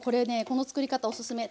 この作り方おすすめ。